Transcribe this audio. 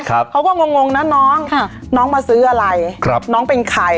เขาก็งงงงนะน้องค่ะน้องน้องมาซื้ออะไรครับน้องเป็นใคร